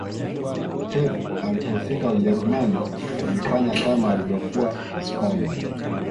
pep alipofika ujerumani alifanya kama alivyokuwa hispania